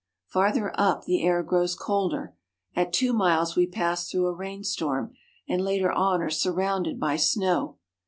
Farther up the air grows colder. At two miles we pass through a rainstorm, and later on are surrounded by snow.